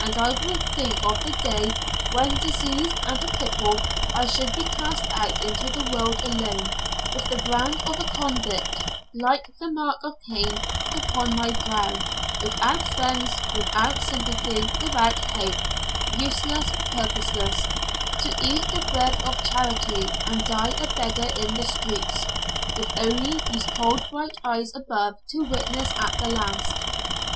And I would think of the day when diseased and a cripple I should be cast out into the world alone, with the brand of the convict, like the mark of Cain, upon my brow, without friends, without sympathy, without hope, useless, purposeless, to eat the bread of charity, and die a beggar in the streets, with only these cold bright eyes above to witness at the last.